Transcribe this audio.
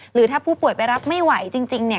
หรือถ้าผู้ป่วยไปรับไม่ไหวจริงเนี่ย